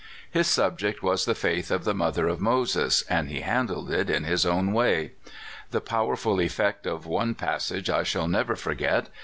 His subject was the faith of the mother of Moses, and he handled it in his own way. The powerful effect of one passage I shall never forget.